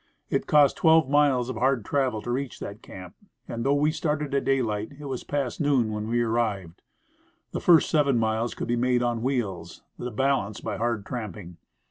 It cost twelve miles of hard travel to reach that camp; and, though we started at daylight, it was past noon when we arrived. The first seven miles could be made on wheels, the balance by hard tramping.